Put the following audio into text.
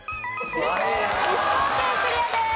石川県クリアです。